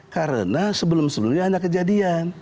karena sebelum sebelumnya ada kejadian